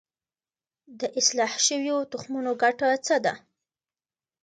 د اصلاح شویو تخمونو ګټه څه ده؟